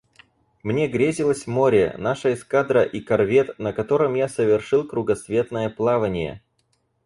Мне грезилось море, наша эскадра и корвет, на котором я совершил кругосветное плавание.